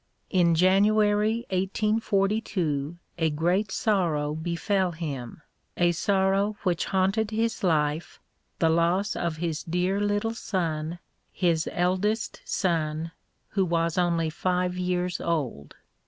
In January 1842 a great sorrow befell him, a sorrow which haunted his life, the loss of his dear little son, his eldest son, who was only five years old.